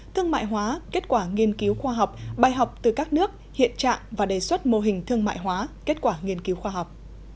thương mại hóa kết quả nghiên cứu khoa học bài học từ các nước hiện trạng và đề xuất mô hình thương mại hóa kết quả nghiên cứu khoa học